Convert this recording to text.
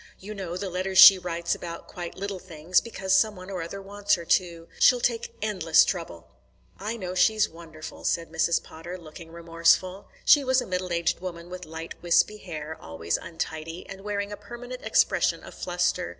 You know the letters she writes about quite little things, because some one or other wants her to. She'll take endless trouble." "I know she's wonderful," said Mrs. Potter, looking remorseful. She was a middle aged woman with light wispy hair, always untidy, and wearing a permanent expression of fluster.